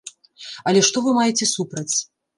Але што вы маеце супраць?